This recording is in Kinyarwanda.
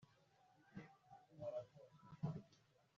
ubworoherane mu mibanire yanyu kwishuri.